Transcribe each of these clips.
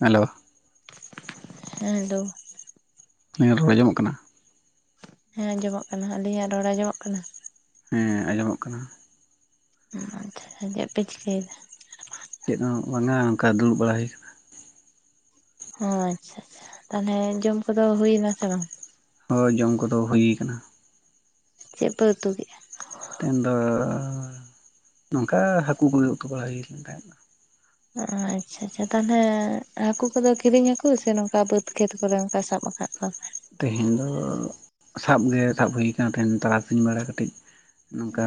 Hello. ᱦᱮᱸ hello. ᱟᱞᱤᱧᱟᱜ ᱨᱚᱲ ᱟᱸᱡᱚᱢᱚᱜ ᱠᱟᱱᱟ? ᱦᱮᱸ ᱟᱸᱡᱢᱚᱜ ᱠᱟᱱᱟ᱾ ᱟᱹᱞᱤᱧᱟᱜ ᱨᱚᱲ ᱟᱸᱡᱚᱢᱚᱜ ᱠᱟᱱᱟ? ᱦᱮᱸ ᱟᱸᱡᱚᱢᱚᱜ ᱠᱟᱱᱟ᱾ ᱟᱪᱶᱷᱟ ᱪᱮᱫ ᱯᱮ ᱪᱤᱠᱟᱹᱭᱫᱟ? ᱪᱮᱫ ᱦᱚᱸ ᱵᱟᱝᱟ ᱚᱱᱠᱟ ᱫᱩᱲᱩᱵ ᱵᱟᱲᱟ ᱦᱳᱭ ᱠᱟᱱᱟ᱾ ᱚ ᱟᱪᱪᱷᱟ ᱟᱪᱷᱟ᱾ ᱛᱟᱞᱦᱮ ᱡᱚᱢ ᱠᱚᱫᱚ ᱦᱩᱭᱱᱟ ᱥᱮ ᱵᱟᱝ? ᱦᱚ ᱡᱚᱢ ᱠᱚᱫᱚ ᱦᱩᱭ ᱠᱟᱱᱟ᱾ ᱪᱮᱫ ᱯᱮ ᱩᱛᱩ ᱠᱮᱜ-ᱟ? ᱛᱮᱦᱮᱱ ᱫᱚ ᱱᱚᱝᱠᱟ ᱦᱟᱹᱠᱩ ᱠᱚᱜᱮ ᱩᱛᱩ ᱵᱟᱲᱟ ᱦᱩᱭ ᱠᱟᱱ ᱛᱟᱦᱮᱸᱫ᱾ ᱚ ᱟᱪᱪᱷᱟ ᱟᱪᱪᱷᱟ ᱛᱟᱞᱦᱮ ᱦᱟᱹᱠᱩ ᱠᱚᱫᱚ ᱠᱤᱨᱤᱧ ᱦᱟᱹᱠᱩ ᱥᱮ ᱱᱚᱝᱠᱟ ᱵᱟᱹᱫᱽ ᱠᱷᱮᱛ ᱠᱚᱨᱮ ᱚᱝᱠᱟ ᱥᱟᱵ ᱟᱠᱟᱫ ᱠᱚᱣᱟ ᱯᱮ? ᱛᱮᱦᱮᱱ ᱫᱚ ᱥᱟᱵ ᱜᱮ ᱥᱟᱵ ᱦᱩᱭ ᱠᱟᱱᱟ᱾ ᱛᱮᱦᱮᱱ ᱛᱟᱨᱟᱥᱤᱧ ᱵᱮᱲᱟ ᱠᱟᱹᱴᱤᱡ ᱱᱚᱝᱠᱟ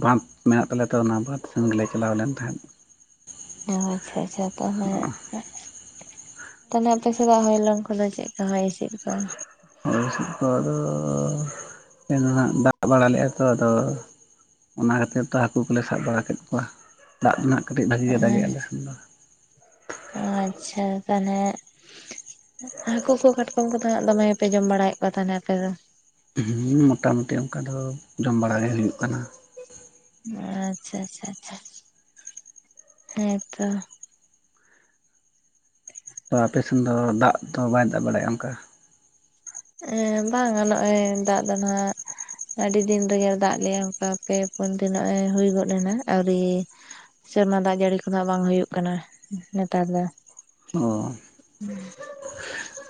ᱵᱟᱸᱫ ᱢᱮᱱᱟᱜ ᱛᱟᱞᱮᱭᱟ ᱛᱚ ᱚᱱᱟ ᱵᱟᱸᱫᱷ ᱥᱮᱱ ᱜᱮᱞᱮ ᱪᱟᱞᱟᱣ ᱞᱮᱱ ᱛᱟᱦᱮᱸᱫ᱾ ᱚ ᱟᱪᱪᱷᱟ ᱟᱪᱪᱷᱟ ᱛᱟᱞᱦᱮ ᱛᱟᱞᱦᱮ ᱟᱯᱮ ᱥᱮᱫᱟᱜ ᱦᱚᱭᱞᱚᱝ ᱠᱚᱫᱚ ᱪᱮᱫ ᱠᱟ ᱦᱚᱭ ᱦᱤᱥᱤᱫ ᱠᱚ? ᱦᱚᱭ ᱦᱤᱥᱤᱫ ᱠᱚ ᱟᱫᱚ ᱛᱮᱦᱮᱧ ᱫᱚ ᱱᱟᱦᱜ ᱫᱟᱜ ᱵᱟᱲᱟ ᱞᱮᱜ-ᱟᱭ᱾ ᱛᱚ ᱟᱫᱚ ᱚᱱᱟ ᱠᱷᱟᱹᱛᱤᱨ ᱛᱚ ᱦᱟᱹᱠᱩ ᱠᱚᱞᱮ ᱥᱟᱵ ᱵᱟᱲᱟ ᱠᱮᱫ ᱠᱚᱣᱟ᱾ ᱫᱟᱜ ᱫᱚ ᱱᱟᱦᱜ ᱠᱟᱹᱴᱤᱡ ᱵᱷᱟᱜᱤ ᱜᱮ ᱫᱟᱮᱜ-ᱟᱭ ᱟᱞᱮ ᱥᱮᱱ ᱫᱚ᱾ ᱚ ᱟᱪᱪᱷᱟ ᱛᱟᱞᱦᱮ ᱦᱟᱹᱠᱳ ᱠᱚ ᱠᱟᱴᱠᱚᱢ ᱠᱚᱫᱚ ᱦᱟᱸᱜ ᱫᱚᱢᱮ ᱜᱮᱯᱮ ᱡᱚᱢ ᱵᱟᱲᱟᱭᱮᱜ ᱠᱚᱣᱟ ᱛᱟᱞᱦᱮ ᱟᱯᱮ ᱫᱚ᱾ ᱦᱩᱸ ᱢᱚᱴᱟ ᱢᱩᱴᱤ ᱚᱱᱠᱟ ᱫᱚ ᱡᱚᱢ ᱵᱟᱲᱟ ᱜᱮ ᱦᱩᱭᱩᱜ ᱠᱟᱱᱟ᱾ ᱟᱪᱪᱷᱟ ᱟᱪᱪᱷᱟ ᱟᱪᱪᱷᱟ, ᱦᱮᱸᱛᱚ᱾ ᱛᱚ ᱟᱯᱮᱥᱮᱱ ᱫᱚ ᱫᱟᱜ ᱫᱚ ᱵᱟᱭ ᱫᱟᱜ ᱵᱟᱲᱟᱭᱮᱜ-ᱟ ᱚᱱᱠᱟ? ᱮᱸ ᱵᱟᱝᱟ ᱱᱚᱜ-ᱚᱭ ᱫᱟᱜ ᱫᱚ ᱱᱟᱦᱟᱜ ᱟᱹᱰᱤ ᱫᱤᱱ ᱨᱮᱜᱮ ᱫᱟᱜ ᱞᱮᱜ-ᱟ ᱚᱱᱠᱟ ᱯᱮ ᱯᱩᱱ ᱫᱤᱱ ᱱᱚᱜ-ᱚᱭ ᱦᱩᱭ ᱜᱚᱫ ᱮᱱᱟ ᱟᱹᱣᱨᱤᱼᱼ ᱥᱮᱨᱢᱟ ᱫᱟᱜ ᱡᱟᱹᱲᱤ ᱠᱚᱫᱚ ᱦᱟᱸᱜ ᱵᱟᱝ ᱦᱩᱭᱩᱜ ᱠᱟᱱᱟ ᱱᱮᱛᱟᱨ ᱫᱚ᱾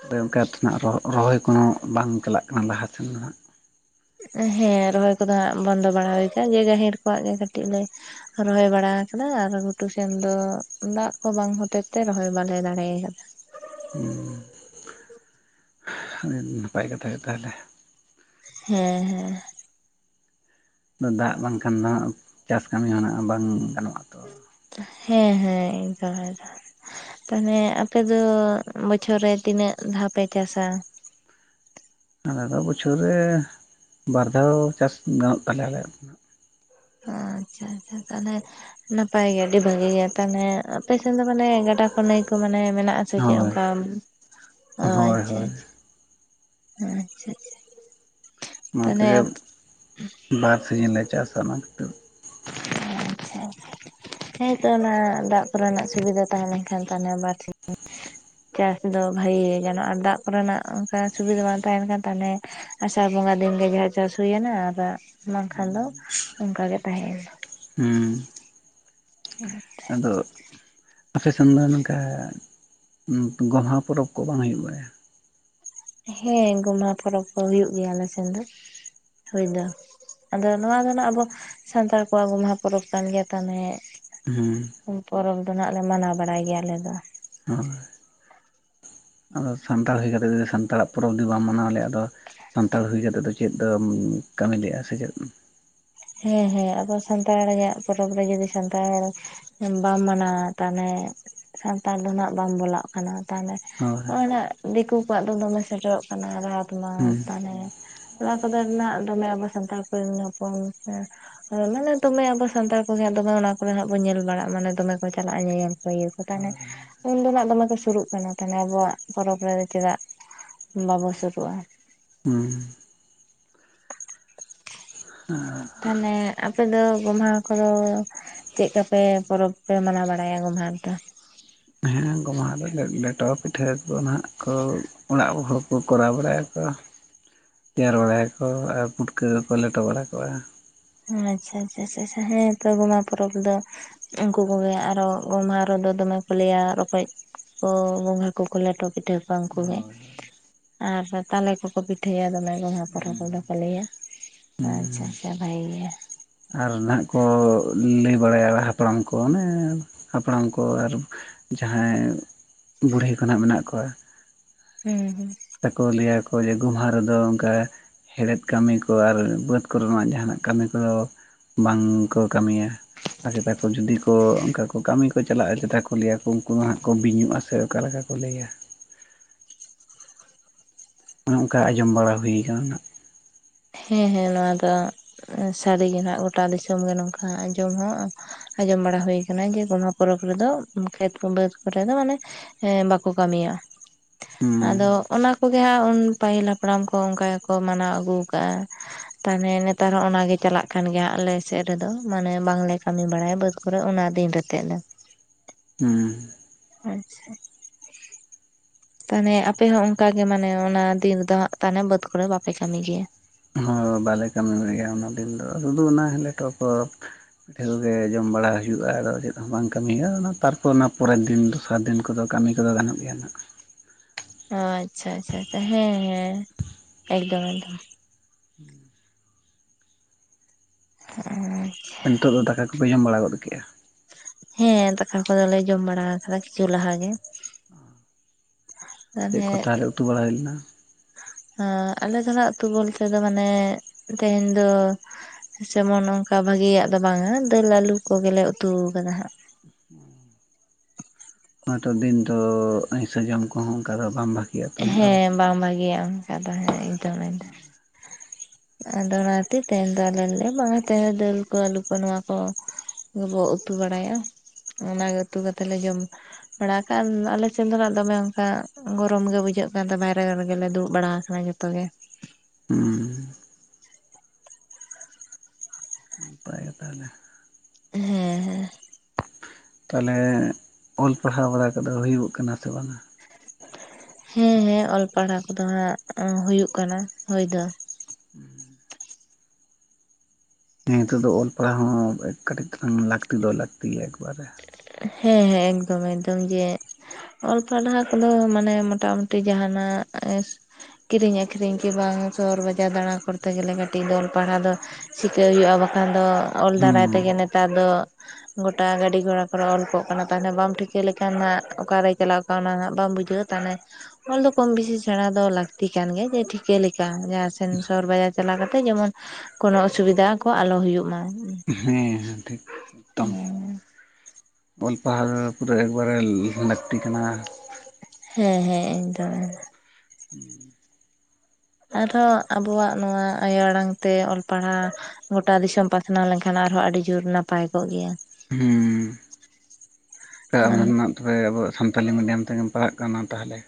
ᱟᱫᱚ ᱚᱱᱠᱟ ᱛᱮᱱᱟᱜ ᱨᱚ ᱨᱚᱦᱚᱭ ᱠᱳᱱᱳ ᱵᱟᱝ ᱪᱟᱞᱟᱜ ᱠᱟᱱᱟ ᱞᱟᱦᱟ ᱥᱮᱱ ᱫᱚ ᱦᱟᱸᱜ᱾ ᱦᱮᱸ ᱨᱚᱦᱚᱭ ᱠᱚᱫᱚ ᱦᱟᱸᱜ ᱵᱚᱱᱫᱚ ᱵᱟᱲᱟ ᱦᱩᱭ ᱠᱟ ᱡᱮ ᱜᱟᱹᱦᱤᱨ ᱠᱚᱣᱟᱜ ᱜᱮ ᱠᱟᱹᱴᱤᱡ ᱞᱮᱼᱼ ᱨᱚᱦᱚᱭ ᱵᱟᱲᱟ ᱟᱠᱟᱫᱟ ᱟᱨ ᱜᱷᱩᱴᱩ ᱥᱮᱱ ᱫᱚ ᱫᱟᱜ ᱠᱚ ᱵᱟᱝ ᱦᱚᱛᱮ ᱛᱮ ᱨᱚᱦᱚᱭ ᱵᱟᱞᱮ ᱫᱟᱲᱮ ᱠᱟᱫᱟ᱾ ᱩᱸ ᱟᱹᱰᱤ ᱱᱟᱯᱟᱭ ᱠᱟᱛᱷᱟ ᱜᱮ ᱛᱟᱦᱞᱮ᱾ ᱦᱮᱸ ᱦᱮᱸ᱾ ᱫᱟᱜ ᱵᱟᱝᱠᱷᱟᱱ ᱫᱚ ᱦᱟᱸᱜ ᱪᱟᱥ ᱠᱟᱹᱢᱤ ᱦᱚᱸ ᱱᱟᱦᱟᱸᱜ ᱵᱟᱝ ᱜᱟᱱᱚᱜ-ᱟ ᱛᱚ᱾ ᱦᱮᱸ ᱦᱮᱸ [inaudible] ᱫᱚ ᱛᱟᱦᱚᱞᱮ ᱟᱯᱮ ᱫᱚ ᱵᱚᱪᱷᱚᱨ ᱨᱮᱼᱼ ᱛᱤᱱᱟᱹᱜ ᱫᱷᱟᱣ ᱯᱮ ᱪᱟᱥᱟ? ᱟᱞᱮ ᱫᱚ ᱵᱚᱪᱷᱚᱨ ᱨᱮ ᱵᱟᱨ ᱫᱷᱟᱣ ᱪᱟᱥ ᱜᱟᱱᱚᱜ ᱛᱟᱞᱮᱭᱟ ᱟᱞᱮᱭᱟᱜ, ᱟᱪᱪᱷᱟ ᱟᱪᱪᱷᱟ ᱛᱟᱦᱚᱞᱮ ᱱᱟᱯᱟᱭ ᱜᱮ ᱟᱹᱰᱤ ᱵᱷᱟᱹᱜᱤ ᱜᱮᱭᱟ ᱛᱟᱦᱞᱮ ᱟᱯᱮ ᱥᱮᱱ ᱫᱚ ᱢᱟᱱᱮ ᱜᱟ ᱯᱟᱴᱟ ᱠᱚ ᱱᱟᱹᱭ ᱠᱚ ᱢᱟᱱᱮ ᱢᱮᱱᱟᱜ-ᱟ ᱫᱚ᱾ ᱥᱮᱪᱮᱫ ᱦᱳᱭ ᱚᱱᱠᱟ ᱚ ᱦᱳᱭ ᱟᱪᱪᱷᱟ ᱦᱳᱭ ᱟᱪᱟ ᱟᱪᱪᱷᱟ ᱟᱪᱷᱟ᱾ ᱚᱱᱟ ᱛᱮᱜᱮ ᱵᱟᱨ ᱥᱤᱡᱤᱱ ᱞᱮ ᱪᱟᱥᱟ ᱚᱱᱟ [inaudible] [inaudible] ᱦᱮᱸᱛᱚ ᱚᱱᱟ ᱫᱟᱜ ᱠᱚᱨᱮᱱᱟᱜ ᱥᱩᱵᱤᱫᱟ ᱛᱟᱦᱮᱸ ᱞᱮᱱᱠᱷᱟᱱ ᱛᱟᱞᱦᱮ ᱵᱟᱨ ᱴᱷᱤᱠ᱾ ᱪᱟᱥ ᱫᱚ ᱵᱷᱟᱜᱮ ᱜᱮ ᱜᱟᱱᱚᱜ-ᱟ ᱟᱨ ᱫᱟᱜ ᱠᱚᱨᱮᱱᱟᱜ ᱚᱱᱠᱟ ᱥᱩᱵᱤᱫᱷᱟ ᱵᱟᱝ ᱛᱟᱦᱮᱱ ᱠᱷᱟᱱ ᱛᱟᱦᱚᱞᱮᱼᱼ ᱟᱥᱟᱲ ᱵᱚᱸᱜᱟ ᱫᱤᱱᱜᱮ ᱡᱟᱦᱟᱸ ᱪᱟᱥ ᱦᱩᱭᱮᱱᱟ ᱟᱨ ᱵᱟ ᱵᱟᱝᱠᱷᱟᱱ ᱫᱚ ᱚᱱᱠᱟᱜᱮ ᱛᱟᱦᱮᱸᱭᱮᱱᱟ᱾ ᱦᱩᱸ᱾ ᱟᱫᱚ᱾ ᱟᱯᱮᱥᱮᱱ ᱫᱚ ᱱᱚᱝᱠᱟ ᱜᱚᱢᱦᱟ ᱯᱚᱨᱚᱵᱽ ᱠᱚ ᱵᱟᱝ ᱦᱩᱭᱩᱜ ᱵᱟᱲᱟᱭᱟ? ᱦᱮᱸ ᱜᱳᱢᱦᱟ ᱯᱚᱨᱚᱵᱽ ᱠᱚ ᱦᱩᱭᱩᱜ ᱜᱮᱭᱟ ᱟᱞᱮ ᱥᱮᱱ ᱫᱚ ᱦᱳᱭ ᱫᱚ ᱾ ᱟᱫᱚ ᱱᱚᱣᱟ ᱫᱚ ᱱᱟᱜ ᱟᱵᱚ ᱥᱟᱱᱛᱟᱲ ᱠᱚᱣᱟᱜ ᱜᱚᱢᱦᱟ ᱯᱚᱨᱚᱵᱽ ᱠᱟᱱ ᱜᱮᱭᱟ ᱛᱟᱦᱞᱮᱼᱼ ᱦᱩᱸ᱾ ᱯᱚᱨᱚᱵᱽ ᱫᱚ ᱱᱟᱦᱟᱜ ᱞᱮ ᱢᱟᱱᱟᱣ ᱵᱟᱲᱟᱭ ᱜᱮᱭᱟ ᱟᱞᱮ ᱫᱚ ᱾ ᱦᱳᱭ ᱟᱫᱚ ᱥᱟᱱᱛᱟᱲ ᱦᱩᱭ ᱠᱟᱛᱮᱜ ᱡᱩᱫᱤ ᱥᱟᱱᱛᱟᱲᱟᱜ ᱯᱚᱨᱚᱵᱽ ᱡᱩᱫᱤ ᱵᱟᱢ ᱢᱟᱱᱟᱣ ᱞᱮᱜ-ᱟ ᱟᱫᱚ᱾ ᱥᱟᱱᱛᱟᱲ ᱦᱩᱭᱠᱟᱛᱮᱫ ᱫᱚ ᱪᱮᱫ ᱫᱚᱢ ᱠᱟᱹᱢᱤ ᱞᱮᱜᱼᱟ ᱥᱮ ᱪᱮᱫ᱾ ᱦᱮᱸ ᱦᱮᱸ ᱟᱵᱚ ᱥᱟᱱᱛᱟᱲᱟᱜ ᱯᱚᱨᱚᱵᱽ ᱨᱮ ᱡᱩᱫᱤ ᱥᱟᱱᱛᱟᱲᱼᱼ ᱵᱟᱢ ᱢᱟᱱᱟᱣ ᱛᱟᱦᱚᱞᱮ ᱥᱟᱱᱛᱟᱲ ᱫᱚ ᱱᱟᱦᱟᱜ ᱵᱟᱢ ᱵᱚᱞᱟᱜ ᱠᱟᱱᱟ ᱛᱟᱦᱚᱞᱮᱼᱼ ᱦᱳᱭ ᱱᱚᱜᱼᱚᱭ ᱫᱤᱠᱩ ᱠᱚᱣᱟᱜ ᱫᱚ ᱫᱚᱢᱮ ᱥᱮᱴᱮᱨᱚᱜ ᱠᱟᱱᱟ ᱨᱟᱛ ᱢᱟᱛ ᱦᱩᱸ ᱛᱟᱱᱮᱼᱼ ᱚᱱᱟ ᱠᱚᱫᱚ ᱨᱮᱱᱟᱜ ᱫᱚᱢᱮ ᱟᱵᱚ ᱥᱟᱱᱛᱟᱲ ᱠᱚᱨᱮᱱ ᱦᱚᱯᱚᱱ ᱦᱮᱸ᱾ ᱢᱟᱱᱮ ᱫᱚᱢᱮ ᱟᱵᱚ ᱥᱟᱱᱛᱟᱲ ᱠᱚᱜᱮ ᱫᱚᱢᱮ ᱚᱱᱟ ᱠᱚᱨᱮ ᱦᱟᱸᱜ ᱵᱚᱱ ᱧᱮᱞ ᱵᱟᱲᱟᱜᱼᱟ ᱢᱟᱱᱮ ᱫᱚᱢᱮ ᱠᱚ ᱪᱟᱞᱟᱜᱼᱟ ᱧᱮᱧᱮᱞ ᱠᱚ ᱤᱭᱟᱹ ᱠᱚ ᱛᱟᱦᱚᱞᱮᱼᱼ ᱩᱱᱫᱚ ᱱᱟᱜ ᱫᱚᱢᱮ ᱠᱚ ᱥᱩᱨᱩᱜ ᱠᱟᱱᱟ ᱛᱟᱦᱞᱮ ᱟᱵᱚᱣᱟᱜ ᱯᱚᱨᱚᱵᱽ ᱨᱮᱫᱚ ᱪᱮᱫᱟᱜ ᱵᱟᱵᱚ ᱥᱩᱨᱩᱜᱼᱟ ᱾ ᱦᱩᱸ᱾ ᱛᱟᱦᱚᱞᱮ ᱟᱯᱮᱫᱚ ᱜᱚᱢᱦᱟ ᱠᱚᱫᱚ᱾ ᱪᱮᱫᱠᱟᱯᱮ ᱯᱚᱨᱚᱵᱽ ᱯᱮ ᱢᱟᱱᱟᱣ ᱵᱟᱲᱟᱭᱟ ᱜᱚᱢᱦᱟ ᱨᱮ ᱫᱚ᱾ ᱦᱮᱸ ᱜᱚᱢᱦᱟᱼᱼ ᱚᱱᱟᱫᱚ ᱞᱮᱴᱚ ᱯᱤᱴᱷᱟᱹᱠᱚ ᱱᱟᱦᱟᱜ ᱠᱚ ᱚᱲᱟᱜ ᱦᱚᱲ ᱠᱚ ᱠᱚᱨᱟᱣ ᱵᱟᱲᱟᱭᱟ ᱠᱚ᱾ ᱛᱮᱭᱟᱨ ᱵᱟᱲᱟᱭᱟᱠᱚ ᱟᱨ ᱯᱩᱴᱠᱟᱹ ᱠᱚᱠᱚ ᱞᱮᱴᱚ ᱵᱟᱲᱟ ᱠᱚᱜᱣᱟ᱾ ᱟᱪᱪᱷᱟ ᱟᱪᱪᱷᱟ ᱦᱮᱸ ᱛᱚ ᱜᱚᱢᱦᱟ ᱯᱚᱨᱚᱵᱽ ᱫᱚ᱾ ᱩᱱᱠᱩ ᱠᱚᱜᱮ ᱟᱨᱚ ᱜᱳᱢᱦᱟ ᱨᱮᱫᱚ ᱫᱚᱢᱮ ᱠᱚ ᱞᱟᱹᱭᱟ ᱨᱚᱠᱚᱡᱼᱼ ᱚ ᱜᱚᱸᱜᱷᱟ ᱠᱚᱠᱚ ᱞᱮᱴᱚ ᱯᱤᱴᱷᱟᱹ ᱠᱚᱣᱟ ᱩᱱᱠᱩ ᱜᱮᱼᱼ ᱦᱳᱭ ᱦᱳᱭ ᱟᱨ ᱛᱟᱞᱮ ᱠᱚᱠᱚ ᱯᱤᱴᱷᱟᱹᱭᱟ ᱫᱚᱢᱮ ᱜᱚᱢᱦᱟ ᱯᱚᱨᱚᱵᱽ ᱦᱩᱸ ᱠᱚᱫᱚ ᱠᱚ ᱞᱟᱹᱭᱟ ᱾ ᱟᱪᱪᱷᱟ ᱟᱪᱪᱷᱟ ᱵᱷᱟᱜᱮ ᱜᱮ᱾ ᱟᱨ ᱱᱟᱦᱟᱜ ᱠᱚ ᱞᱟᱹᱭ ᱵᱟᱲᱟᱭᱟ ᱦᱟᱯᱲᱟᱢ ᱠᱚ ᱚᱱᱮ ᱦᱟᱯᱲᱟᱢ ᱠᱚ ᱟᱨ ᱡᱟᱸᱦᱟᱭ ᱵᱩᱲᱦᱤ ᱠᱚ ᱱᱟᱜ ᱢᱮᱱᱟᱜ ᱠᱚᱣᱟ ᱦᱩᱸ ᱦᱩᱸ ᱛᱟᱠᱚ ᱞᱟᱹᱭᱟᱠᱚ ᱡᱮ ᱜᱳᱢᱦᱟ ᱨᱮᱫᱚ ᱚᱱᱠᱟ ᱦᱮᱲᱦᱮᱫ ᱠᱟᱹᱢᱤ ᱠᱚ ᱟᱨ ᱵᱟᱹᱫᱽ ᱠᱚᱨᱮᱱᱟᱜ ᱡᱟᱦᱟᱱᱟᱜ ᱠᱟᱹᱢᱤ ᱠᱚᱫᱚ ᱵᱟᱝᱠᱚ ᱠᱟᱹᱢᱤᱭᱟ ᱟᱨ ᱪᱮᱫᱟ ᱠᱚ ᱡᱩᱫᱤ ᱠᱚ ᱚᱱᱠᱟ ᱠᱚ ᱠᱟᱹᱢᱤ ᱠᱚ ᱪᱟᱞᱟᱜᱼᱟ ᱪᱮᱛᱟ ᱠᱚ ᱞᱟᱹᱭᱟᱠᱚ ᱩᱱᱠᱩ ᱫᱚ ᱦᱟᱸᱜ ᱠᱚ ᱵᱤᱧᱩᱜ ᱟ ᱥᱮ ᱚᱠᱟ ᱞᱮᱠᱟ ᱠᱚ ᱞᱮᱭᱟ ᱚᱱᱮ ᱚᱱᱠᱟ ᱟᱸᱡᱚᱢ ᱵᱟᱲᱟ ᱦᱩᱭ ᱠᱟᱱᱟ ᱱᱟᱜ ᱦᱮᱸ ᱦᱮᱸ ᱱᱚᱣᱟ ᱫᱚ ᱥᱟᱹᱨᱤᱜᱮ ᱱᱟᱜ ᱜᱚᱴᱟ ᱫᱤᱥᱚᱢ ᱜᱮ ᱱᱚᱝᱠᱟ ᱟᱸᱡᱚᱢ ᱦᱚᱸ ᱟᱸᱡᱚᱢ ᱵᱟᱲᱟ ᱦᱩᱭ ᱠᱟᱱᱟ ᱡᱮ ᱜᱚᱢᱦᱟ ᱯᱚᱨᱚᱵᱽ ᱨᱮᱫᱚ ᱠᱷᱮᱛ ᱠᱚ ᱵᱟᱹᱫᱽ ᱠᱚᱨᱮ ᱫᱚ ᱢᱟᱱᱮ ᱮᱸ ᱵᱟᱠᱚ ᱠᱟᱹᱢᱤᱭᱟ ᱦᱩᱸ ᱟᱫᱚ ᱚᱱᱟ ᱠᱚᱜᱮ ᱦᱟᱸᱜ ᱩᱱ ᱯᱟᱹᱦᱤᱞ ᱦᱟᱯᱲᱟᱢ ᱠᱚ ᱚᱱᱠᱟ ᱜᱮᱠᱚ ᱢᱟᱱᱟᱣ ᱟᱹᱜᱩ ᱠᱟᱜ-ᱟ ᱾ ᱛᱟᱦᱚᱞᱮ ᱱᱮᱛᱟᱨ ᱦᱚᱸ ᱚᱱᱟᱜᱮ ᱪᱟᱞᱟᱜ ᱠᱟᱱ ᱜᱮᱭᱟ ᱟᱞᱮᱥᱮᱫ ᱨᱮᱫᱚ ᱢᱟᱱᱮ ᱵᱟᱝᱞᱮ ᱠᱟᱹᱢᱤ ᱵᱟᱲᱟᱭᱟ ᱵᱟᱹᱫᱽ ᱠᱚᱨᱮ ᱚᱱᱟ ᱫᱤᱱ ᱨᱮᱛᱮᱫ ᱫᱚ [unintelligible] ᱦᱩᱸ ᱟᱪᱪᱷᱟ ᱛᱟᱦᱚᱞᱮ ᱟᱯᱮ ᱦᱚᱸ ᱚᱱᱠᱟ ᱜᱮ ᱢᱟᱱᱮ ᱚᱱᱟ ᱫᱤᱱ ᱨᱮᱫᱚ ᱦᱟᱸᱜ ᱛᱟᱱᱮ ᱵᱟᱹᱫᱽ ᱠᱚᱨᱮ ᱵᱟᱯᱮ ᱠᱟᱹᱢᱤ ᱜᱮᱭᱟ᱾ ᱵᱟᱞᱮ ᱠᱟᱹᱢᱤ ᱜᱮᱭᱟ ᱚᱱᱟ ᱫᱤᱱ ᱫᱚ ᱥᱩᱫᱩ ᱚᱱᱟ ᱞᱮᱴᱚ ᱠᱚ ᱯᱤᱴᱷᱟᱹ ᱠᱚᱜᱮ ᱡᱚᱢ ᱵᱟᱲᱟ ᱦᱩᱭᱩᱜᱼᱟ ᱟᱫᱚ ᱪᱮᱫ ᱵᱟᱝ ᱠᱟᱹᱢᱤᱜᱼᱟ ᱛᱟᱨᱯᱚᱨ ᱚᱱᱟ ᱯᱚᱨᱮᱨ ᱫᱤᱱ ᱫᱚᱥᱟᱨ ᱫᱤᱱ ᱠᱚᱫᱚ ᱠᱟᱹᱢᱤ ᱠᱚᱫᱚ ᱜᱟᱱᱚᱜ ᱜᱮᱭᱟ ᱱᱟᱜ᱾ ᱟᱪᱪᱷᱟ ᱟᱪᱪᱷᱟ ᱟᱪᱪᱷᱟ ᱦᱮᱸ ᱦᱮᱸ ᱮᱠᱫᱚᱢ ᱮᱠᱫᱚᱢ [inaudible] ᱱᱤᱛᱟᱹᱜ ᱫᱚ ᱫᱟᱠᱟ ᱠᱚᱯᱮ ᱡᱚᱢ ᱵᱟᱲᱟ ᱜᱚᱫ ᱠᱮᱜᱼᱟ? ᱦᱮᱸ ᱫᱟᱠᱟ ᱠᱚᱫᱚᱞᱮ ᱡᱚᱢ ᱵᱟᱲᱟ ᱠᱟᱫᱟ ᱠᱤᱪᱷᱩ ᱞᱟᱦᱟ ᱜᱮ ᱾ ᱪᱮᱫ ᱠᱚ ᱛᱟᱦᱚᱞᱮ ᱩᱛᱩ ᱵᱟᱲᱟ ᱦᱩᱭ ᱞᱮᱱᱟ? ᱟᱞᱮ ᱫᱚᱱᱟᱜ ᱚᱛᱩ ᱵᱚᱞᱛᱮ ᱫᱚ ᱢᱟᱱᱮ ᱛᱮᱦᱮᱧ ᱫᱚ ᱥᱮᱢᱚᱱ ᱚᱱᱠᱟ ᱵᱷᱟᱜᱤᱭᱟᱜ ᱫᱚ ᱵᱟᱝᱟ ᱫᱟᱹᱞ ᱟᱞᱩ ᱠᱚ ᱜᱮᱞᱮ ᱩᱛᱩ ᱠᱟᱫᱟ ᱦᱟᱸᱜ ᱾ ᱚᱱᱟ ᱴᱟᱜ ᱫᱤᱱ ᱫᱚ ᱟᱹᱭᱥᱟᱹ ᱡᱚᱢ ᱠᱚᱦᱚᱸ ᱚᱱᱠᱟ ᱫᱚ ᱵᱟᱝ ᱵᱷᱟᱜᱤ ᱦᱮᱸ ᱵᱟᱝ ᱵᱷᱟᱹᱜᱤᱭᱟ ᱚᱱᱠᱟ ᱫᱚ ᱦᱮᱸ ᱮᱠᱫᱚᱢ ᱮᱠᱫᱚᱢ ᱟᱫᱚ ᱚᱱᱟᱛᱮ ᱛᱮᱦᱮᱧ ᱫᱚ ᱟᱞᱮ ᱞᱮ ᱵᱟᱝᱟ ᱛᱮᱦᱮ ᱫᱟᱹᱞ ᱠᱚ ᱟᱹᱞᱩ ᱠᱚ ᱱᱚᱣᱟ ᱠᱚ ᱵᱚ ᱩᱛᱩ ᱵᱟᱲᱟᱭᱟ ᱚᱱᱟ ᱜᱮ ᱩᱛᱩ ᱠᱟᱛᱮ ᱞᱮ ᱡᱚᱢ ᱵᱟᱲᱟ ᱠᱟᱜ ᱟᱞᱮ ᱥᱮᱱ ᱫᱚᱱᱟᱜ ᱫᱚᱢᱮ ᱚᱱᱠᱟ ᱜᱚᱫ ᱜᱚᱨᱚᱢ ᱜᱮ ᱵᱩᱡᱷᱟᱹᱜ ᱠᱟᱱ ᱛᱮ ᱵᱟᱭᱨᱮ ᱨᱮᱜᱮ ᱫᱩᱲᱵ ᱵᱟᱲᱟᱟᱣ ᱟᱠᱟᱱᱟ ᱡᱚᱛᱚ ᱜᱮ ᱾ ᱦᱩᱸ ᱱᱟᱯᱟᱭ ᱜᱮ ᱛᱟᱦᱚᱞᱮ ᱦᱮᱸ ᱦᱮᱸ ᱛᱟᱦᱞᱮ ᱚᱞ ᱯᱟᱲᱦᱟᱣ ᱵᱟᱲᱟ ᱠᱟᱫᱚ ᱦᱩᱭᱩᱜ ᱠᱟᱱᱟ ᱥᱮ ᱵᱟᱝᱟ? ᱦᱮᱸ ᱦᱮᱸ ᱚᱞ ᱯᱟᱲᱦᱟᱣ ᱠᱚᱫᱚ ᱦᱟᱸᱜ ᱦᱩᱭᱩᱜ ᱠᱟᱱᱟ ᱦᱩᱭ ᱫᱚ᱾ ᱱᱤᱛᱚᱜ ᱫᱚ ᱚᱞ ᱯᱟᱲᱦᱟᱣ ᱦᱚᱸ ᱠᱟᱹᱴᱤᱡ ᱛᱟᱞᱟᱝ ᱞᱟᱹᱠᱛᱤ ᱫᱚ ᱞᱟᱹᱠᱛᱤ ᱜᱮᱭᱟ ᱮᱠᱵᱟᱨᱮ᱾ ᱦᱮᱸ ᱦᱮᱸ ᱮᱠᱫᱚᱢ ᱮᱠᱫᱚᱢ ᱡᱮ ᱚᱞ ᱯᱟᱲᱦᱟᱣ ᱠᱚᱫᱚ ᱢᱟᱱᱮ ᱢᱚᱴᱟ ᱢᱩᱴᱤ ᱡᱟᱦᱟᱱᱟᱜ ᱠᱤᱨᱤᱧ ᱟᱠᱷᱨᱤᱧ ᱠᱤ ᱵᱟᱝ ᱥᱚᱦᱚᱨ ᱵᱟᱡᱟᱨ ᱫᱟᱬᱟ ᱠᱚᱨᱛᱮ ᱜᱮᱞᱮ ᱠᱟᱹᱴᱤᱡ ᱫᱚ ᱚᱞ ᱯᱟᱲᱦᱟᱣ ᱫᱚ ᱥᱤᱠᱟᱹᱣ ᱦᱩᱭᱩᱜᱼᱟ ᱵᱟᱠᱷᱟᱱ ᱫᱚ ᱚᱞ ᱦᱩᱸ ᱫᱟᱨᱟᱭ ᱛᱮᱜᱮ ᱱᱮᱛᱟᱨ ᱫᱚ ᱜᱚᱴᱟ ᱜᱟᱹᱰᱤ ᱜᱷᱚᱲᱟ ᱚᱞ ᱠᱚᱜ ᱠᱟᱱᱟ ᱛᱟᱦᱚᱞᱮ ᱵᱟᱢ ᱴᱷᱤᱠᱟᱹ ᱞᱮᱠᱷᱟᱱ ᱦᱟᱜ ᱚᱠᱟᱨᱮᱭ ᱪᱟᱞᱟᱣ ᱠᱟᱱᱟ ᱚᱱᱟ ᱦᱟᱜ ᱵᱟᱢ ᱵᱩᱡᱷᱟᱹᱣᱟ ᱛᱟᱦᱚᱞᱮ ᱚᱞ ᱫᱚ ᱠᱚᱢ ᱵᱮᱥᱤ ᱥᱮᱬᱟ ᱫᱚ ᱞᱟᱹᱠᱛᱤ ᱠᱟᱱ ᱜᱮ ᱡᱮ ᱴᱷᱤᱠᱟᱹ ᱞᱮᱠᱟ ᱡᱟᱦᱟᱸ ᱥᱮᱱ ᱥᱚᱦᱚᱨ ᱵᱟᱡᱟᱨ ᱪᱟᱞᱟᱣ ᱠᱟᱛᱮᱜ ᱡᱮᱢᱚᱱᱼᱼ ᱠᱚᱱᱚ ᱚᱥᱩᱵᱤᱫᱷᱟ ᱠᱚ ᱟᱞᱚ ᱦᱩᱭᱩᱜ ᱢᱟ ᱾ ᱦᱮᱸ᱾ ᱴᱷᱤᱠ ᱮᱠᱫᱚᱢ᱾ ᱚᱞ ᱯᱟᱲᱦᱟᱹᱣ ᱫᱚ ᱯᱩᱨᱟᱹ ᱮᱠᱵᱟᱨᱮ ᱞᱟᱹᱠᱛᱤ ᱠᱟᱱᱟ ᱾ ᱦᱮᱸ ᱦᱮᱸ ᱮᱠᱫᱚᱢ᱾ ᱟᱫᱚ ᱟᱵᱚᱣᱟᱜ ᱱᱚᱣᱟ ᱟᱭᱳ ᱟᱲᱟᱝ ᱛᱮ ᱚᱞ ᱯᱟᱲᱦᱟᱣ ᱜᱳᱴᱟ ᱫᱤᱥᱚᱢ ᱯᱟᱥᱱᱟᱣ ᱞᱮᱱᱠᱷᱟᱱ ᱟᱨᱦᱚᱸ ᱟᱹᱰᱤ ᱡᱳᱨ ᱱᱟᱯᱟᱭ ᱠᱚᱜ ᱜᱮᱭᱟ ᱾ ᱦᱩᱸ ᱛᱟᱦᱞᱮ ᱨᱮᱱᱟᱜ ᱛᱚᱵᱮ ᱟᱵᱚᱣᱟᱜ ᱥᱟᱱᱛᱟᱞᱤ ᱢᱤᱰᱤᱭᱟᱢ ᱛᱮᱜᱮᱢ ᱯᱟᱲᱦᱟᱜ ᱠᱟᱱᱟ ᱛᱟᱦᱚᱞᱮ?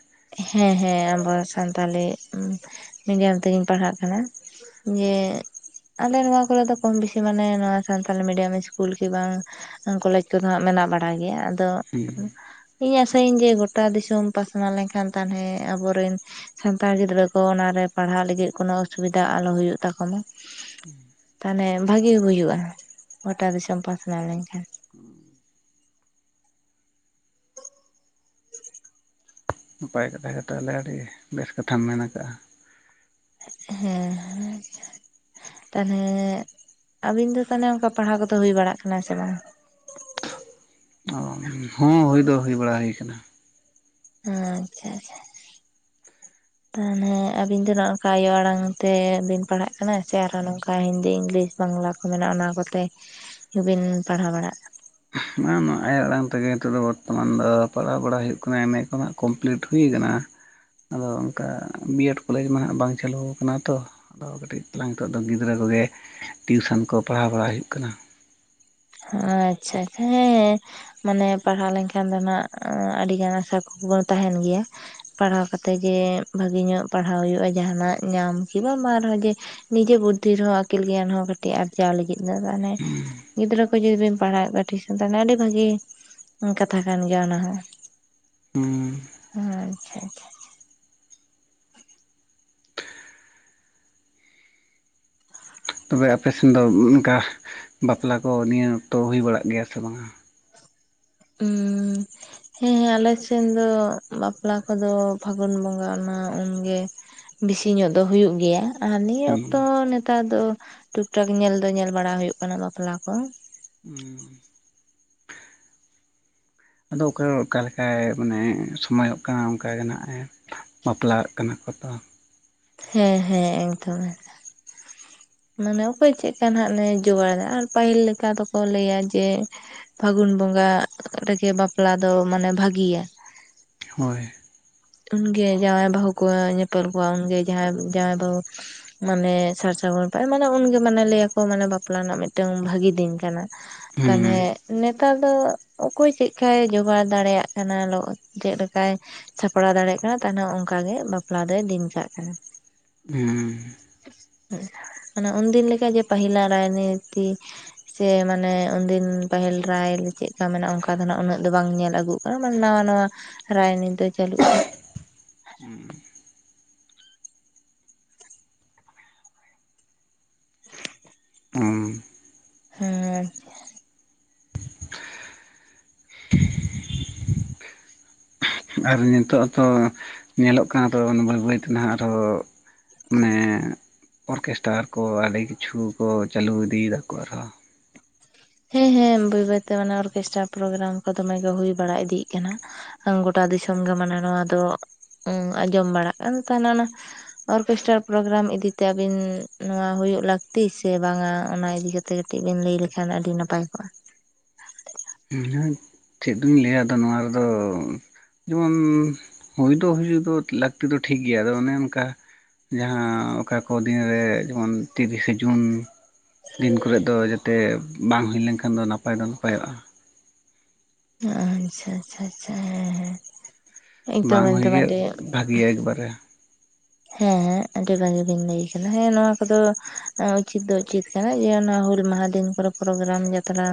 ᱦᱮᱸ ᱦᱮᱸ ᱟᱵᱚᱣᱟᱜ ᱥᱟᱱᱛᱟᱞᱤ ᱢᱤᱰᱤᱭᱟᱢ ᱛᱮᱜᱤᱧ ᱯᱟᱲᱦᱟᱜ ᱠᱟᱱᱟ ᱾ ᱡᱮ ᱟᱞᱮ ᱱᱚᱣᱟ ᱠᱚᱨᱮ ᱫᱚ ᱠᱚᱢ ᱵᱮᱥᱤ ᱢᱟᱱᱮ ᱱᱚᱣᱟ ᱥᱟᱱᱛᱟᱞᱤ ᱢᱤᱰᱤᱭᱟᱢ ᱤᱥᱠᱩᱞ ᱜᱮ ᱵᱟᱝ ᱠᱚᱞᱮᱡᱽ ᱠᱚᱫᱚ ᱦᱟᱸᱜ ᱢᱮᱱᱟᱜ ᱵᱟᱲ ᱜᱮᱭᱟ ᱟᱫᱚᱼᱼ ᱦᱩᱸ ᱤᱧ ᱟᱥᱟᱭᱟᱹᱧ ᱡᱮ ᱜᱚᱴᱟ ᱫᱤᱥᱚᱢ ᱯᱟᱥᱱᱟᱣ ᱞᱮᱱᱠᱷᱟᱱ ᱛᱟᱦᱞᱮ ᱟᱵᱚᱨᱮᱱ ᱥᱟᱱᱛᱟᱲ ᱜᱤᱫᱽᱨᱟᱹ ᱠᱚ ᱚᱱᱟᱨᱮ ᱯᱟᱲᱦᱟᱣ ᱞᱟᱹᱜᱤᱫ ᱠᱳᱱᱳ ᱚᱥᱩᱵᱤᱫᱷᱟ ᱟᱞᱚ ᱦᱩᱭᱩᱜ ᱛᱟᱠᱟ ᱢᱟᱼᱼ ᱛᱟᱦᱚᱞᱮ ᱵᱷᱟᱜᱮ ᱦᱩᱭᱩᱜᱼᱟ ᱜᱚᱴᱟ ᱫᱤᱥᱚᱢ ᱯᱟᱥᱱᱟᱣ ᱞᱮᱱᱠᱷᱟᱱ ᱾ ᱱᱟᱯᱟᱭ ᱠᱟᱛᱷᱟ ᱜᱮ ᱛᱟᱦᱞᱮ ᱟᱹᱰᱤ ᱵᱮᱥ ᱠᱟᱛᱷᱟᱢ ᱢᱮᱱ ᱟᱠᱟᱜᱼᱟ ᱾ ᱦᱮᱸ᱾ ᱛᱟᱦᱚᱞᱮ ᱟᱵᱤᱱ ᱫᱚ ᱛᱟᱦᱚᱞᱮ ᱚᱱᱠᱟ ᱯᱟᱲᱦᱟᱣ ᱠᱚᱫᱚ ᱦᱩᱭ ᱵᱟᱲᱟᱜ ᱠᱟᱱᱟ ᱥᱮ ᱵᱟᱝ? ᱦᱮᱸ ᱦᱩᱭ ᱫᱚ ᱦᱩᱭ ᱵᱟᱲᱟ ᱦᱩᱭ ᱟᱠᱟᱱᱟ ᱾ ᱦᱮᱸ ᱟᱪᱪᱷᱟ ᱟᱪᱪᱷᱟ᱾ ᱛᱟᱦᱞᱮ ᱟᱹᱵᱤᱱ ᱫᱚ ᱱᱚᱜ ᱱᱚᱝᱠᱟ ᱟᱭᱳ ᱟᱲᱟᱝ ᱛᱮᱵᱤᱱ ᱯᱟᱲᱦᱟᱜ ᱠᱟᱱᱟ ᱥᱮ ᱟᱨᱦᱚ ᱱᱚᱝᱠᱟ ᱦᱤᱱᱫᱤ ᱤᱝᱞᱤᱥᱼᱼ ᱵᱟᱝᱞᱟ ᱠᱚ ᱢᱮᱱᱟᱜᱼᱟ ᱚᱱᱟ ᱠᱚᱛᱮ ᱜᱮᱵᱤᱱ ᱯᱟᱲᱦᱟᱣ ᱵᱟᱲᱟᱜ ᱠᱟᱱᱟ? ᱱᱚᱣᱟ ᱟᱭᱳ ᱟᱲᱟᱝ ᱛᱮᱜᱮ ᱱᱤᱛᱚᱜ ᱫᱚ ᱵᱚᱨᱛᱚᱢᱟᱱ ᱫᱚ ᱯᱟᱲᱦᱟᱣ ᱵᱟᱲᱟ ᱦᱩᱭᱩᱜ ᱠᱟᱱᱟ ᱮᱢᱮ ᱠᱚ ᱱᱷᱟᱜ ᱠᱚᱢᱯᱞᱤᱴ ᱦᱩᱭᱩ ᱟᱠᱟᱱᱟ ᱟᱫᱚ ᱚᱱᱠᱟ ᱵᱤᱭᱮᱰ ᱠᱚᱞᱮᱡᱽ ᱢᱟ ᱦᱟᱜ ᱵᱟᱝ ᱪᱟᱹᱞᱩ ᱟᱠᱟᱱᱟ ᱛᱚ ᱟᱫᱚ ᱠᱟᱹᱴᱤᱡ ᱛᱟᱞᱟᱝ ᱱᱤᱛᱚᱜ ᱫᱚ ᱜᱤᱫᱽᱨᱟᱹ ᱠᱚᱜᱮ ᱴᱤᱭᱩᱥᱚᱱ ᱠᱚ ᱯᱟᱲᱦᱟᱣ ᱵᱟᱲᱟ ᱦᱩᱭᱩᱜ ᱠᱟᱱᱟ ᱾ ᱟᱪᱪᱷᱟ ᱦᱮᱸ᱾ ᱢᱟᱱᱮ ᱯᱟᱲᱦᱟᱣ ᱞᱮᱱᱠᱷᱟᱱ ᱫᱚ ᱱᱟᱦᱜ ᱟᱹᱰᱤᱜᱟᱱ ᱟᱥᱟ ᱠᱩᱠᱢᱩ ᱢᱟ ᱛᱟᱦᱮᱱ ᱜᱮᱭᱟ᱾ ᱯᱟᱲᱦᱟᱣ ᱠᱟᱛᱮ ᱡᱮ ᱵᱷᱟᱹᱜᱤ ᱧᱚᱜ ᱯᱟᱲᱦᱟᱣ ᱦᱩᱭᱩᱜᱼᱟ ᱡᱟᱸᱦᱟᱱᱟᱜ ᱧᱟᱢ ᱠᱤ ᱵᱟ ᱵᱟᱝ ᱨᱮᱦᱚ ᱡᱮ ᱱᱤᱡᱮ ᱵᱩᱫᱽᱫᱷᱤ ᱨᱮᱦᱚᱸ ᱟᱹᱠᱤᱞ ᱜᱮᱭᱟᱱ ᱦᱚᱸ ᱠᱟᱹᱴᱤᱡ ᱟᱨᱡᱟᱣ ᱞᱟᱹᱜᱤᱫ ᱫᱚ ᱢᱟᱱᱮ ᱜᱤᱫᱽᱨᱟᱹ ᱠᱚ ᱡᱩᱫᱤ ᱵᱮᱱ ᱯᱟᱲᱦᱟᱣᱮᱫ ᱠᱚᱣᱟ ᱴᱷᱤᱠ, ᱛᱟᱦᱚᱞᱮ ᱟᱹᱰᱤ ᱵᱷᱟᱹᱜᱤ ᱠᱟᱛᱷᱟ ᱠᱟᱱ ᱜᱮᱭᱟ ᱚᱱᱟ ᱦᱚᱸ। ᱦᱩᱸ ᱦᱮᱸ ᱟᱪᱪᱷᱟ ᱟᱪᱪᱷᱟ। ᱛᱚᱵᱮ ᱟᱯᱮ ᱥᱮᱱ ᱫᱚ ᱚᱱᱠᱟ ᱵᱟᱯᱞᱟ ᱠᱚ ᱱᱤᱭᱟᱹ ᱚᱠᱛᱚ ᱦᱩᱭ ᱵᱟᱲᱟᱜ ᱜᱮᱭᱟ ᱥᱮ ᱵᱟᱝᱟ? ᱦᱩᱸ᱾ ᱦᱮᱸᱦᱮᱸ ᱟᱞᱮ ᱥᱮᱱ ᱫᱚ ᱵᱟᱯᱞᱟ ᱠᱚᱫᱚ ᱯᱷᱟᱹᱜᱩᱱ ᱵᱚᱸᱜᱟ ᱟᱱᱟ ᱩᱱᱜᱮ ᱵᱮᱥᱤ ᱧᱚᱜ ᱫᱚ ᱦᱩᱭᱩᱜ ᱜᱮᱭᱟ। ᱟᱨ ᱱᱤᱭᱟᱹ ᱚᱠᱛᱚ ᱦᱩᱸ ᱱᱮᱛᱟᱨ ᱫᱚ ᱴᱩᱠ ᱴᱷᱟᱠ ᱧᱮᱞ ᱫᱚ ᱧᱮᱞ ᱵᱟᱲᱟ ᱦᱩᱭᱩᱜ ᱠᱟᱱᱟ ᱵᱟᱯᱞᱟ ᱠᱚ। ᱦᱩᱸ- ᱟᱫᱚ ᱚᱠᱟ ᱚᱠᱟᱞᱮᱠᱟᱭ ᱢᱟᱱᱮ ᱥᱚᱢᱚᱭᱚᱜ ᱠᱟᱱᱟ ᱚᱱᱠᱟᱜᱮ ᱱᱟᱜᱼ ᱦᱮᱸ। ᱵᱟᱯᱞᱟᱜ ᱠᱟᱱᱟ ᱠᱚ ᱛᱚ। ᱦᱮᱸ ᱦᱮᱸ ᱚᱱᱠᱟᱹ ᱜᱮ ᱢᱟᱱᱮ ᱚᱠᱚᱭ ᱪᱮᱫᱠᱟ ᱱᱟᱜ ᱞᱮ ᱡᱚᱜᱟᱲ ᱫᱟ ᱟᱨ ᱯᱟᱹᱦᱤᱞ ᱞᱮᱠᱟ ᱫᱚᱠᱚ ᱞᱟᱹᱭᱟ ᱡᱮ ᱯᱷᱟᱹᱜᱩᱱ ᱵᱚᱸᱜᱟ ᱨᱮᱜᱮ ᱵᱟᱯᱞᱟ ᱫᱚ ᱢᱟᱱᱮ ᱵᱷᱟᱹᱜᱤᱭᱟ। ᱦᱳᱭ, ᱩᱱᱜᱮ ᱡᱟᱶᱟᱭ ᱵᱟᱹᱦᱩ ᱠᱚ ᱧᱮᱯᱮᱞ ᱠᱚᱣᱟ ᱩᱱᱜᱮ ᱡᱟᱶᱟᱭ ᱵᱟᱹᱦᱩ ᱢᱟᱱᱮ ᱥᱟᱨ ᱥᱟᱹᱜᱩᱱ [unintelligible] ᱢᱟᱱᱮ ᱩᱱᱜᱮ ᱢᱟᱱᱮ ᱞᱟᱹᱭᱟᱠᱚ ᱢᱟᱱᱮ ᱵᱟᱯᱞᱟ ᱨᱮᱱᱟᱜ ᱢᱤᱫᱴᱟᱹᱝ ᱵᱷᱟᱹᱜᱤ ᱫᱤᱱ ᱠᱟᱱᱟ। ᱦᱩᱸ ᱛᱟᱦᱞᱮ, ᱱᱮᱛᱟᱨ ᱫᱚ ᱚᱠᱚᱭ ᱪᱮᱜ ᱞᱮᱠᱟᱭ ᱡᱚᱜᱟᱣ ᱫᱟᱲᱮᱭᱟᱜ ᱠᱟᱱᱟ [unintelligible] ᱪᱮᱫ ᱞᱮᱠᱟᱭ ᱥᱟᱯᱲᱟᱣ ᱫᱟᱲᱮᱭᱟᱜ ᱠᱟᱱᱟ ᱛᱟᱦᱟᱞᱮ ᱚᱱᱠᱟᱜᱮ ᱵᱟᱯᱞᱟ ᱫᱚᱭ ᱫᱤᱱ ᱠᱟᱜ ᱠᱟᱱᱟ। ᱦᱩᱸ [unintelligible] ᱚᱱᱮ ᱩᱱᱫᱤᱱ ᱞᱮᱠᱟ ᱜᱮ ᱯᱟᱹᱦᱞᱟ ᱨᱟᱭᱱᱤᱛᱤ ᱥᱮ ᱢᱟᱱᱮ ᱩᱱᱫᱤᱱ ᱯᱟᱹᱦᱤᱞ ᱨᱟᱭ ᱪᱮᱫᱞᱮᱠᱟ ᱢᱮᱱᱟᱜᱼᱟ ᱚᱱᱠᱟ ᱫᱚ ᱱᱟᱜ ᱩᱱᱟᱹᱜ ᱫᱚ ᱵᱟᱝ ᱧᱮᱞ ᱟᱹᱜᱩ [unintelligible] ᱱᱟᱣᱟ ᱱᱟᱣᱟ ᱨᱟᱭ ᱱᱤᱛ ᱫᱚ ᱪᱟᱹᱞᱩᱜ। [unintelligible] ᱦᱩᱸ। ᱦᱩᱸ ᱦᱮᱸᱻ, ᱟᱨ ᱱᱤᱛᱚᱜ ᱦᱚᱛᱚ ᱧᱮᱞᱚᱜ ᱠᱟᱱᱟ ᱛᱚ ᱵᱟᱹᱭ ᱵᱟᱹᱭ ᱛᱮ ᱱᱟᱜ ᱟᱨᱦᱚ, ᱢᱟᱱᱮ ᱚᱨᱠᱮᱥᱴᱟᱨ ᱠᱚ ᱟᱹᱰᱤ ᱠᱤᱪᱷᱩ ᱠᱚ ᱪᱟᱹᱞᱩ ᱤᱫᱤᱭᱮᱫᱟ ᱠᱚ ᱟᱨᱦᱚᱸ। ᱦᱮᱸ ᱦᱮᱸ ᱵᱟᱹᱭ ᱵᱟᱹᱭ ᱛᱮ ᱚᱱᱮ ᱚᱨᱠᱮᱥᱴᱨᱟ ᱯᱨᱳᱜᱨᱟᱢ ᱠᱚ ᱫᱚᱢᱮ ᱜᱮ ᱦᱩᱭ ᱵᱟᱲᱟ ᱤᱫᱤᱜ ᱠᱟᱱᱟ। ᱜᱚᱴᱟ ᱫᱤᱥᱚᱢ ᱜᱮ ᱢᱟᱱᱮ ᱱᱚᱣᱟ ᱫᱚ ᱩ ᱟᱸᱡᱚᱢ ᱵᱟᱲᱟᱜ ᱟᱫᱚ ᱛᱟᱦᱞᱮ ᱚᱱᱟ। ᱚᱨᱠᱮᱥᱴᱟᱨ ᱯᱨᱳᱜᱨᱟᱢ ᱤᱫᱤ ᱛᱮ ᱟᱹᱵᱤᱱ ᱱᱚᱣᱟ ᱦᱩᱭᱩᱜ ᱞᱟᱹᱠᱛᱤ ᱥᱮ ᱵᱟᱝᱟ ᱚᱱᱟ ᱤᱫᱤ ᱠᱟᱛ ᱛᱮ ᱠᱟᱹᱴᱤᱡ ᱵᱤᱱ ᱞᱟᱹᱭ ᱞᱮᱠᱷᱟᱱ ᱟᱹᱰᱤ ᱱᱟᱯᱟᱭ ᱠᱚᱜᱼᱟ। [unintelligible] ᱪᱮᱫ ᱫᱩᱧ ᱞᱟᱹᱭᱟ ᱟᱫᱚ ᱱᱚᱣᱟ ᱨᱮᱫᱚ ᱡᱮᱢᱚᱱ, ᱦᱳᱭ ᱫᱚ ᱦᱩᱭ ᱫᱚ ᱞᱟᱹᱠᱛᱤ ᱫᱚ ᱴᱷᱤᱠ ᱜᱮᱭᱟ ᱟᱫᱚ ᱚᱱᱮ ᱚᱱᱠᱟ ᱡᱟᱦᱟᱸ ᱚᱠᱟ ᱠᱚ [unintelligible] ᱨᱮ ᱡᱮᱢᱚᱱ ᱛᱤᱨᱤᱥᱮ ᱡᱩᱱ᱾ ᱫᱤᱱ ᱠᱚᱨᱮᱫ ᱫᱚ ᱡᱟᱛᱮ ᱵᱟᱝ ᱦᱳᱭ ᱞᱮᱱ ᱠᱷᱟᱱ ᱫᱚ ᱱᱟᱯᱟᱭ ᱫᱚ ᱱᱟᱯᱟᱭᱚᱜᱼᱟ। ᱟᱪᱪᱷᱟ ᱟᱪᱪᱷᱟ ᱟᱪᱪᱷᱟ ᱦᱮᱸ ᱦᱮᱸ ᱮᱠᱫᱚᱢ ᱮᱠᱫᱟᱢ ᱟᱹᱰᱤ ᱜᱮ ᱮᱠᱵᱟᱨᱮ, ᱦᱮᱸ ᱦᱮᱸ ᱟᱹᱰᱤ ᱵᱷᱟᱜᱤ ᱵᱤᱱ ᱞᱟᱹᱭ ᱠᱟᱫᱟ ᱦᱮᱸ ᱱᱚᱶᱟ ᱠᱚᱫᱚ ᱩᱪᱤᱛ ᱫᱚ ᱩᱪᱤᱛ᱾ [unintelligible] ᱜᱮᱭᱟ ᱱᱚᱣᱟ ᱦᱩᱞ ᱢᱟᱦᱟ ᱫᱤᱱ ᱠᱚᱨᱮ ᱯᱨᱳᱜᱨᱟᱢ ᱡᱟᱛᱨᱟ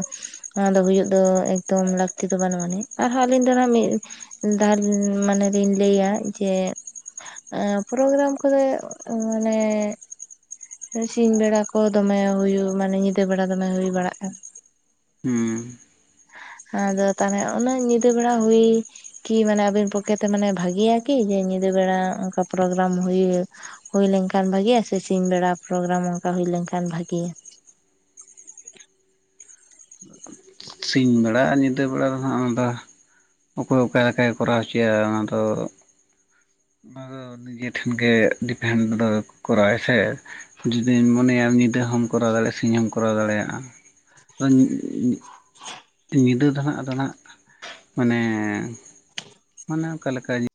ᱚᱱᱟ ᱫᱚ ᱦᱩᱭᱩᱜ ᱫᱚ ᱮᱠᱫᱚᱢ ᱞᱟᱠ ᱛᱤ ᱫᱚ ᱵᱟᱹᱱᱩᱜ ᱟᱱᱤᱡ ᱟᱨᱦᱚᱸ ᱟᱹᱞᱤᱧ ᱫᱚ ᱦᱟᱸᱜ ᱢᱤᱫ ᱫᱟᱣ ᱢᱟᱱᱮ ᱞᱤᱧ ᱞᱟᱹᱭᱟ ᱡᱮ ᱮ ᱯᱨᱳᱜᱨᱟᱢ ᱠᱚᱨᱮᱜ ᱢᱟᱱᱮ, ᱥᱤᱧ ᱵᱮᱲᱟ ᱠᱚ ᱫᱚᱢᱮ ᱦᱩᱭᱩᱜ ᱢᱟᱱᱮ ᱧᱤᱫᱟᱹ ᱵᱮᱲᱟ ᱫᱚᱢᱮ ᱦᱩᱭ ᱵᱟᱲᱟᱜᱼᱟ᱾ ᱦᱩᱸ, ᱟᱫᱚ ᱛᱟᱦᱚᱞᱮ ᱩᱱᱟᱹᱜ ᱧᱤᱫᱟᱹ ᱵᱮᱲᱟ ᱦᱩᱭ ᱠᱤ ᱢᱟᱱᱮ ᱟᱵᱤᱱ ᱯᱚᱠᱠᱷᱮᱛᱮ ᱢᱟᱱᱮ ᱵᱷᱟᱜᱮᱭᱟ ᱠᱤ ᱡᱮ ᱧᱤᱫᱟᱹ ᱵᱮᱲᱟ ᱚᱱᱠᱟ, ᱯᱨᱳᱜᱨᱟᱢ ᱦᱩᱭ ᱦᱩᱭ ᱞᱮᱱᱠᱷᱟᱱ ᱵᱷᱟᱜᱮᱭᱟ ᱥᱮ ᱥᱤᱧ ᱵᱮᱲᱟ ᱯᱨᱳᱜᱨᱟᱢ ᱚᱱᱠᱟ ᱦᱩᱭ ᱞᱮᱱᱠᱷᱟᱱ ᱵᱷᱟᱜᱤᱭᱟ? ᱥᱤᱧ ᱵᱮᱲᱟ ᱟᱨ ᱧᱤᱫᱟᱹ ᱵᱮᱲᱟ ᱨᱮᱦᱚᱸ ᱟᱫᱚ, ᱚᱠᱚᱭ ᱚᱠᱟ ᱟᱠᱟᱭ ᱠᱚᱨᱟᱣ ᱦᱚᱪᱚᱭᱟ ᱚᱱᱟᱫᱚ, ᱚᱱᱟ ᱫᱚ ᱱᱤᱡᱮ ᱴᱷᱮᱱᱜᱮ ᱰᱤᱯᱷᱮᱱᱰ ᱫᱚ ᱠᱚᱨᱟᱣ-ᱟᱭ ᱦᱮ। ᱡᱩᱫᱤᱢ ᱢᱚᱱᱮᱭᱟ ᱧᱤᱫᱟᱹ ᱦᱚᱸᱢ ᱠᱚᱨᱟᱣ ᱫᱟᱲᱮᱭᱟᱜᱼᱟ ᱥᱤᱧ ᱦᱚᱢ ᱠᱚᱨᱟᱣ ᱫᱟᱲᱮᱭᱟᱜᱼᱟ [inaudible] ᱧᱤᱫᱟᱹ ᱫᱚ ᱦᱟᱸᱜ ᱟᱫᱚ ᱱᱟᱜ ᱢᱟᱱᱮ ᱢᱟᱱᱮ ᱚᱠᱟ ᱞᱮᱠᱟ